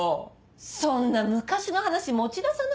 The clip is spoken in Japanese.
そんな昔の話持ち出さないでよ。